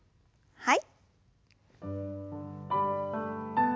はい。